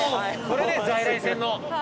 これね在来線の。